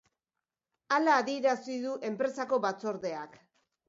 Hala adierazi du enpresako batzordeak.